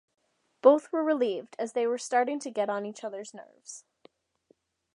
Both were relieved, as they were starting to get on each other's nerves.